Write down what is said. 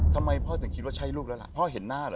ทำไมพ่อถึงคิดว่าใช่ลูกแล้วล่ะพ่อเห็นหน้าเหรอ